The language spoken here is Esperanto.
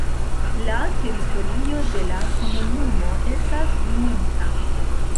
La teritorio de la komunumo estas monta.